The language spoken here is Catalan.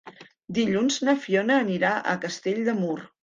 Dilluns na Fiona anirà a Castell de Mur.